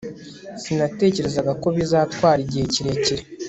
sinatekerezaga ko bizatwara igihe kirekire